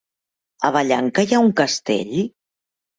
A Vallanca hi ha un castell?